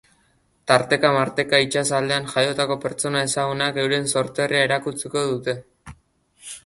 Tarteka-marteka, itsas aldean jaiotako pertsona ezagunak euren sorterria erakutsiko dute.